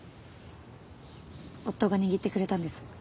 夫が握ってくれたんです。